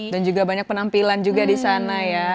dan juga banyak penampilan juga di sana ya